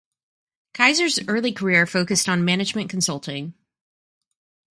Kaiser's early career focused on management consulting.